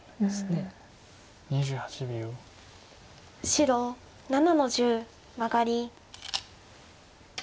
白７の十マガリ。